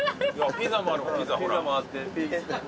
ピザもあって。